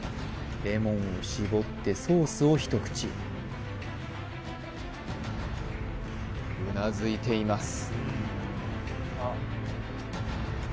レモンを搾ってソースを一口うなずいています